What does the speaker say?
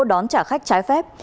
đón trả khách trái phép